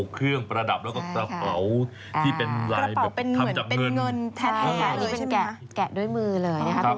เครื่องประดับแล้วก็กระเป๋าที่เป็นรายแบบทำจากเงินใช่ค่ะนี่เป็นแกะด้วยมือเลยนะครับ